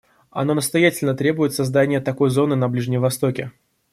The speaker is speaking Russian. Оно настоятельно требует создания такой зоны на Ближнем Востоке.